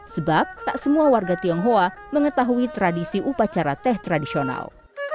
sebab tak semua warga tionghoa mengetahui tradisi upacara teh tradisional